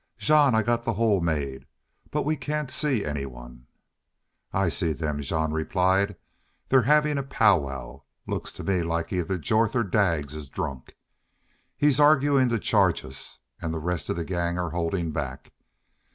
"Jean, I got the hole made, but we can't see anyone." "I see them," Jean replied. "They're havin' a powwow. Looks to me like either Jorth or Daggs is drunk. He's arguin' to charge us, an' the rest of the gang are holdin' back....